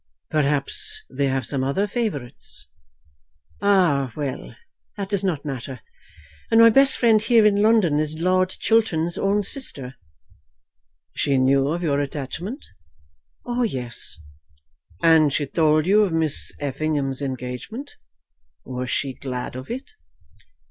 "Perhaps they have some other favourites." "Ah; well. That does not matter, And my best friend here in London is Lord Chiltern's own sister." "She knew of your attachment?" "Oh, yes." "And she told you of Miss Effingham's engagement. Was she glad of it?"